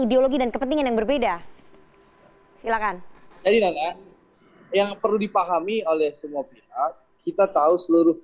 ideologi dan kepentingan yang berbeda silakan jadi nana yang perlu dipahami oleh semua pihak kita tahu seluruh